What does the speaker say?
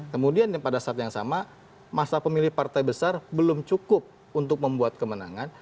kemudian pada saat yang sama masa pemilih partai besar belum cukup untuk membuat kemenangan